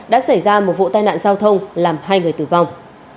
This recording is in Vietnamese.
đã xảy ra một vụ tai nạn giao thông làm hai người tử vong